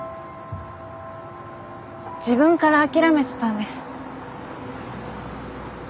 自分から諦めてたんです。